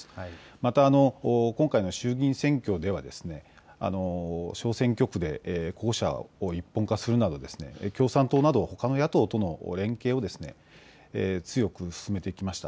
また今回の衆議院選挙では小選挙区で候補者を一本化するなど共産党などほかの野党との連携を強く進めてきました。